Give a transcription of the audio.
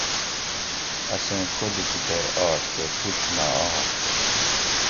اسیں ڛو لکی ٹیر آش تے پوڷ نہ آش